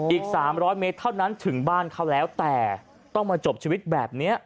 อีก๓๐๐เมตรเท่านั้นถึงบ้านเขาแล้วแต่ต้องมาจบชีวิตแบบนี้